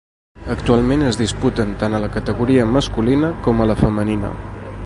Actualment es disputen tant a la categoria masculina com a la femenina.